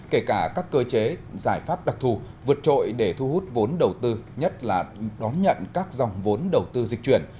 kể cả các cơ chế giải pháp đặc thù vượt trội để thu hút vốn đầu tư nhất là đón nhận các dòng vốn đầu tư dịch chuyển